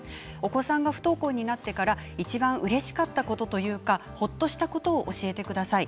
お子さんが不登校になってからいちばんうれしかったことというか、ほっとしたことを教えてください。